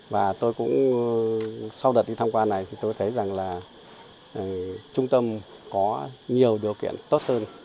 và tôi cũng sau đợt đi tham quan này thì tôi thấy rằng là trung tâm có nhiều điều kiện tốt hơn